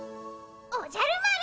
おじゃる丸！